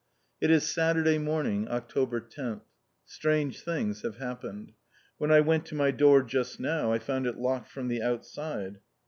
It is Saturday morning, October 10th. Strange things have happened. When I went to my door just now, I found it locked from the outside.